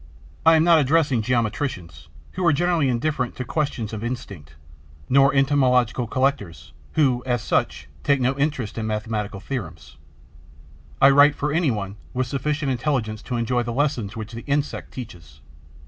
I am not addressing geometricians, who are generally indifferent to questions of instinct, nor entomological collectors, who, as such, take no interest in mathematical theorems; I write for any one with sufficient intelligence to enjoy the lessons which the insect teaches.